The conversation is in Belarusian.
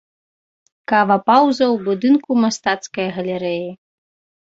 Кава-пауза ў будынку мастацкае галерэі.